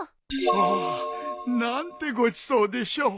ああ何てごちそうでしょう！